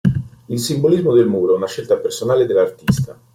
Il simbolismo del muro è una scelta personale dell'artista.